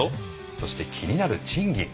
そして、気になる賃金。